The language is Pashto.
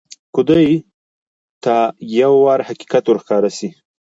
که دوى ته يو وار حقيقت ورښکاره سي.